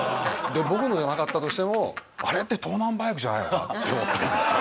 僕のじゃなかったとしてもあれって盗難バイクじゃないのかって思ったりとか。